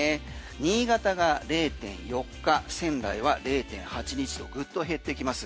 新潟が０．４日仙台は０．８日とぐっと減っていきます。